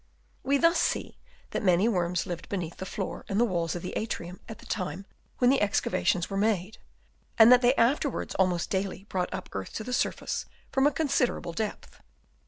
We thus see that many worms lived beneath the floor and the walls of the atrium at the time when the excavations were made ; and that they afterwards almost daily brought up earth to the surface from a considerable depth.